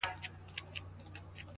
نه دې پېژنم زه صمدي لږ را نیږدې شه